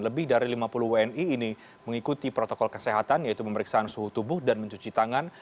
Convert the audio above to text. lebih dari lima puluh wni ini mengikuti protokol kesehatan yaitu pemeriksaan suhu tubuh dan mencuci tangan